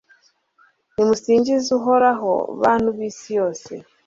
Nimusingize Uhoraho bantu b’isi yose